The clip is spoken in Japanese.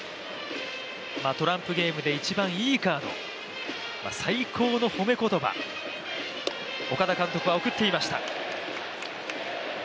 トランプゲームで一番いいカード、最高の褒め言葉岡田監督は贈っていました。